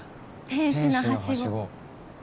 ・天使のはしご。